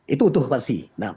itu utuh pasti